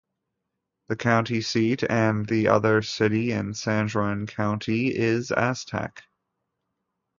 The county seat and the other city in San Juan County is Aztec.